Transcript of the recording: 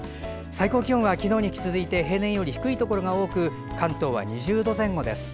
最高気温は昨日に引き続き平年より低いところが多く関東は２０度前後です。